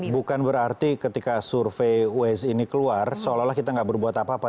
bukan berarti ketika survei uz ini keluar seolah olah kita nggak berbuat apa apa